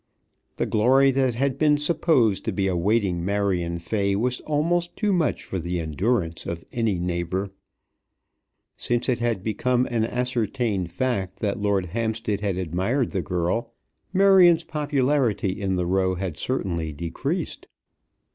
The glory that had been supposed to be awaiting Marion Fay was almost too much for the endurance of any neighbour. Since it had become an ascertained fact that Lord Hampstead had admired the girl, Marion's popularity in the Row had certainly decreased.